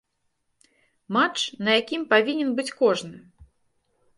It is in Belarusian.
Матч, на якім павінен быць кожны!